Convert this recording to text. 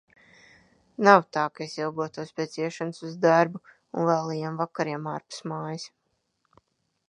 Nav tā, ka es ilgotos pēc iešanas uz darbu un vēlajiem vakariem ārpus mājas.